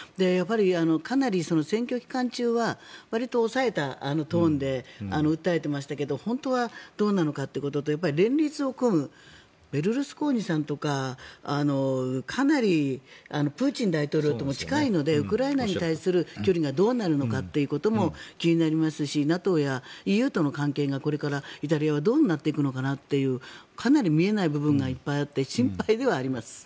かなり選挙期間中はわりと抑えたトーンで訴えていましたが本当はどうなのかということとやっぱり、連立を組むベルルスコーニさんとかかなりプーチン大統領とも近いのでウクライナに対する距離がどうなるのかということも気になりますしＮＡＴＯやＥＵとの関係がこれからイタリアはどういうふうになっていくのかなというかなり見えない部分がいっぱいあって心配ではあります。